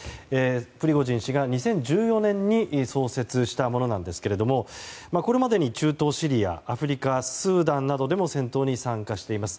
プリゴジン氏が２０１４年に創設したものなんですがこれまでに中東シリアアフリカ、スーダンなどでも戦闘に参加しています。